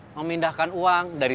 walaupun dia harusnya